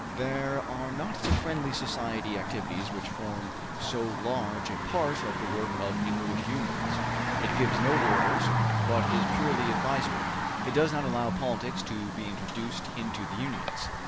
There are not the friendly society activities which form so large a part of the work of English Unions. It gives no orders, but is purely advisory. It does not allow politics to be introduced into the Unions.